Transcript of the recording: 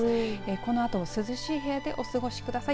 このあとも涼しい部屋でお過ごしください。